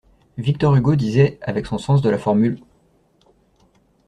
Victor Hugo disait, avec son sens de la formule